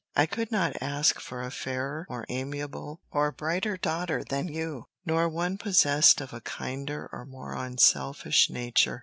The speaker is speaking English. I could not ask for a fairer, more amiable, or brighter daughter than you, nor one possessed of a kinder or more unselfish nature.